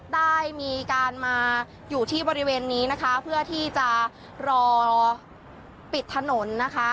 ได้มีการมาอยู่ที่บริเวณนี้นะคะเพื่อที่จะรอปิดถนนนะคะ